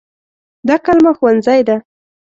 دا کلمه “ښوونځی” ده.